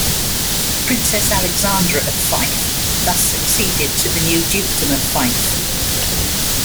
Princess Alexandra of Fife thus succeeded to the new Dukedom of Fife.